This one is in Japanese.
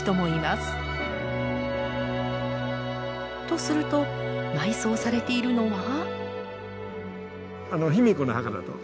とすると埋葬されているのは。